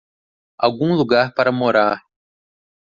Algum lugar para morar!